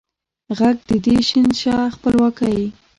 ږغ د ې شین شه خپلواکۍ